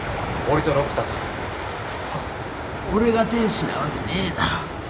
お俺が天使なわけねえだろ。